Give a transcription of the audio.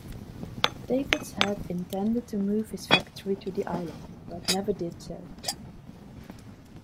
Davids had intended to move his factory to the island but never did so.